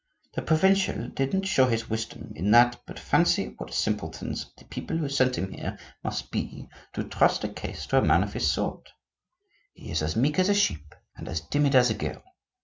The provincial didn't show his wisdom in that; but fancy what simpletons the people who sent him here must be to trust a case to a man of his sort! He is as meek as a sheep and as timid as a girl.